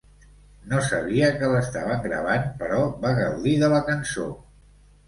No sabia que l'estaven gravant, però va gaudir de la cançó.